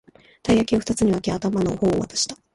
たい焼きをふたつに分け、頭の方を渡した